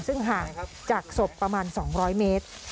ซึ่งห่างจากศพประมาณ๒๐๐เมตร